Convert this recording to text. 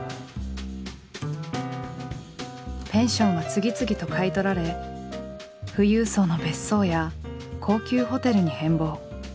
ペンションは次々と買い取られ富裕層の別荘や高級ホテルに変貌。